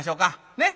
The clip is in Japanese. ねっ？